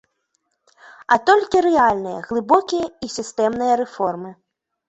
А толькі рэальныя, глыбокія і сістэмныя рэформы.